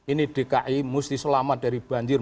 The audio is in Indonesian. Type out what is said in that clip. ini dki mesti selamat dari banjir